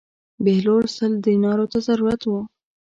بهلول سل دینارو ته ضرورت و.